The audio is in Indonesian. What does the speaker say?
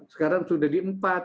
sekarang sudah di empat